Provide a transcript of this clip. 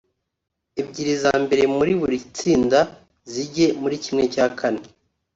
ebyiri za mbere muri buri tsinda zijye muri ¼